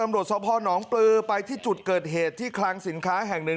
ตำรวจสพนปลือไปที่จุดเกิดเหตุที่คลังสินค้าแห่งหนึ่ง